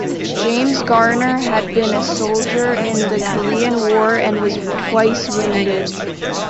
James Garner had been a soldier in the Korean War and was twice wounded.